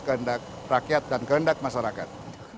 kehendak rakyat dan kehendak masyarakat